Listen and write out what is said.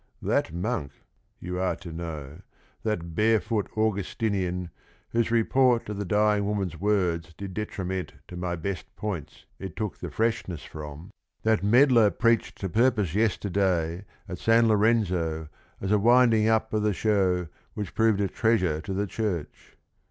That monk, you are to know, That barefoot Augustinian whose report O' the dying woman's words did detriment To my best points it took the freshness from, THE BOOK AND THE RING 207 — That meddler preached to purpose yesterday At San Lorenzo as a winding up O' the show which proved a treasure to the church.